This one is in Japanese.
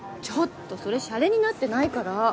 ちょっとそれしゃれになってないから！